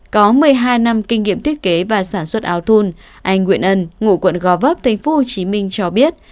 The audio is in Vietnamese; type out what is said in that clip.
có một mươi hai năm kinh nghiệm thiết kế và sản xuất áo thun anh nguyễn ân ngủ quận gò vấp tp hcm cho biết